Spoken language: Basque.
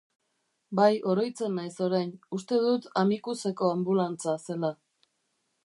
Bai oroitzen naiz orain, uste dut Amikuzeko anbulantza zela.